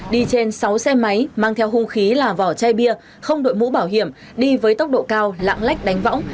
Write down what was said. đi trên sáu xe máy mang theo hung khí là vỏ chai bia không đội mũ bảo hiểm đi với tốc độ cao lạng lách đánh võng